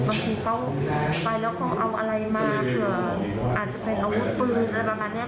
บางทีเขาไปแล้วเขาเอาอะไรมาค่ะอาจจะเป็นอาวุธปืนอะไรประมาณนี้